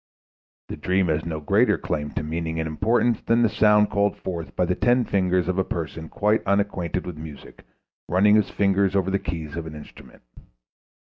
The dream has no greater claim to meaning and importance than the sound called forth by the ten fingers of a person quite unacquainted with music running his fingers over the keys of an instrument.